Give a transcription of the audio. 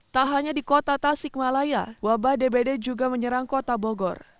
tak hanya di kota tasikmalaya wabah dbd juga menyerang kota bogor